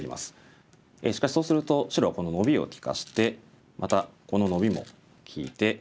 しかしそうすると白はこのノビを利かしてまたこのノビも利いて。